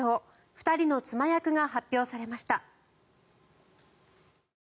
２人の妻役が発表されました。